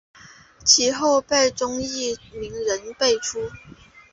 其后辈中亦名人辈出。